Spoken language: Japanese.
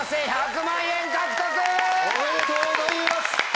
おめでとうございます！